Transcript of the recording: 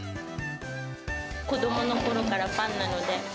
子どものころからファンなので。